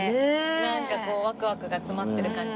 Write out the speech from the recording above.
なんかこうわくわくが詰まってる感じ。